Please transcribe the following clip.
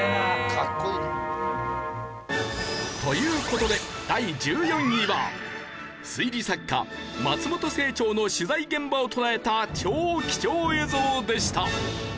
かっこいいね。という事で第１４位は推理作家松本清張の取材現場を捉えた超貴重映像でした。